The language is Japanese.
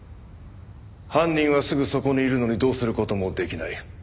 犯人はすぐそこにいるのにどうする事もできない。